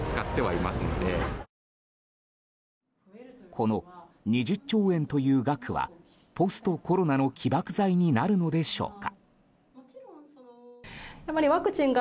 この２０兆円という額はポストコロナの起爆剤になるのでしょうか。